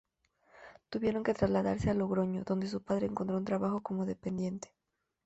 Tuvieron que trasladarse a Logroño, donde su padre encontró un trabajo como dependiente.